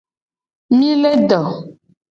Mi le do.